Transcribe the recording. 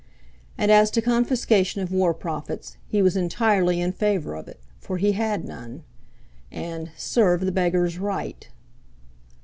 And as to confiscation of war profits, he was entirely in favour of it, for he had none, and "serve the beggars right!"